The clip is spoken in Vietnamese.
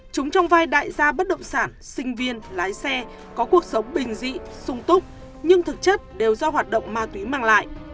chúng trong vai đại gia bất động sản sinh viên lái xe có cuộc sống bình dị sung túc nhưng thực chất đều do hoạt động ma túy mang lại